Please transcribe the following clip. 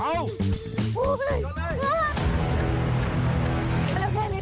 เอาจัดเลย